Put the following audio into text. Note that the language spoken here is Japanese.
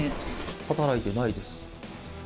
働いてないです。